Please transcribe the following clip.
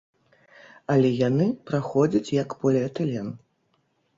Але яны праходзяць як поліэтылен.